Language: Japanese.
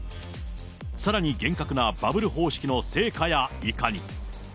さらに厳格なバブル方式の成果やいかに。